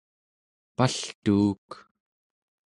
paltuuk